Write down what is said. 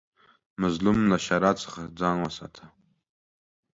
مظلوم له ښېرا څخه ځان وساته